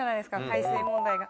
海水問題が。